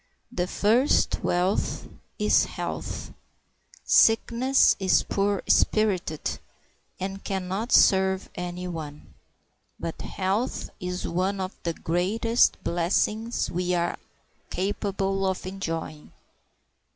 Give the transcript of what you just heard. The first wealth is health. Sickness is poor spirited, and can not serve any one; but health is one of the greatest blessings we are capable of enjoying.